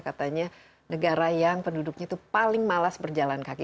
katanya negara yang penduduknya itu paling malas berjalan kaki